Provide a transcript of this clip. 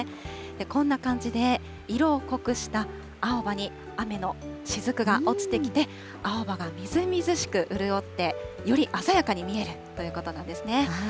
こんな感じで、色を濃くした青葉に雨のしずくが落ちてきて、青葉がみずみずしく潤って、より鮮やかに見えるということなんですね。